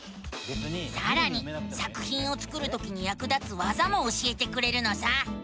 さらに作ひんを作るときにやく立つわざも教えてくれるのさ！